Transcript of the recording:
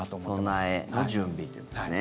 備え、準備ということですね。